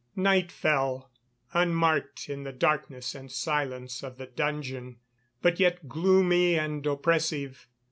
Night fell, unmarked in the darkness and silence of the dungeon, but yet gloomy and oppressive.